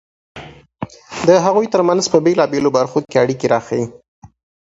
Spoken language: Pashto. د هغوی ترمنځ په بېلابېلو برخو کې اړیکې راښيي.